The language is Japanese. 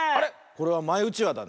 これはマイうちわだね。